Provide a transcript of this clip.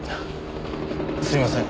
すいません。